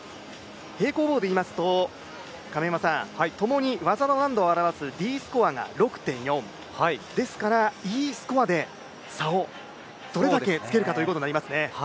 平行棒でいいますと、ともに技の難度を表すＤスコアが６．４、ですから、Ｅスコアでどれだけ差をつけるかということになりますね。